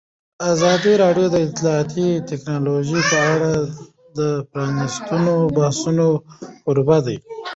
ازادي راډیو د اطلاعاتی تکنالوژي په اړه د پرانیستو بحثونو کوربه وه.